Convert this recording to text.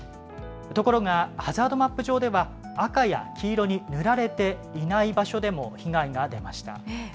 ところがハザードマップ上では赤や黄色に塗られていない場所でも被害が出ました。